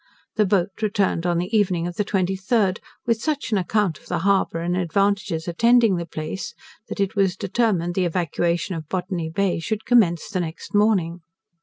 The boat returned on the evening of the 23rd, with such an account of the harbour and advantages attending the place, that it was determined the evacuation of Botany Bay should commence the next morning.